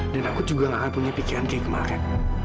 dan aku juga nggak akan punya pikiran kayak kemarin